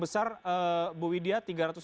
besar bu widya